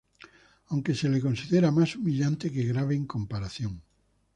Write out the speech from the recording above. Aunque se lo considera más humillante que grave en comparación.